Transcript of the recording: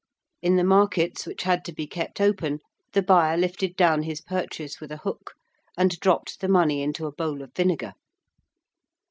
In the markets which had to be kept open, the buyer lifted down his purchase with a hook and dropped the money into a bowl of vinegar.